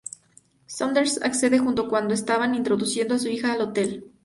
Saunders accede justo cuando estaban introduciendo a su hija al hotel.